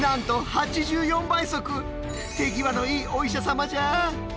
手際のいいお医者様じゃ。